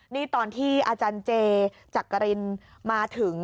นี่ตอนที่อาจารย์เจจักรินมาถึง